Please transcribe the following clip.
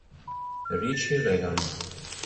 Richie Regan